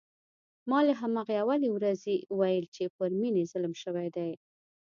ما له همهغې اولې ورځې ویل چې پر مينې ظلم شوی دی